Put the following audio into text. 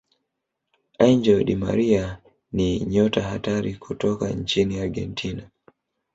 angel Di Maria ni nyota hatari kutoka nchini argentina